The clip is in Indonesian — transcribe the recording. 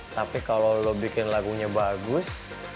tapi kalau lo bikin lagunya bagus